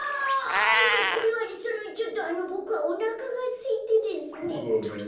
あのこれはそのちょっとあのボクはおなかがすいてですね。